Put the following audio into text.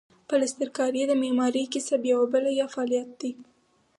پلسترکاري د معمارۍ کسب یوه بله یا فعالیت دی.